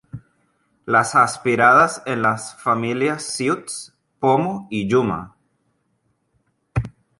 Las aspiradas en las familias siux, pomo y yuma.